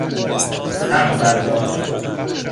سَغ برداشت